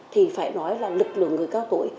thì phải nói là lực lượng người cao tuổi